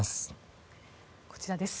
こちらです。